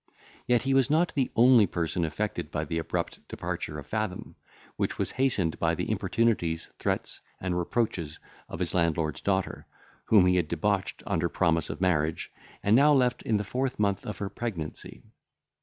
Yet he was not the only person affected by the abrupt departure of Fathom, which was hastened by the importunities, threats, and reproaches of his landlord's daughter, whom he had debauched under promise of marriage, and now left in the fourth month of her pregnancy.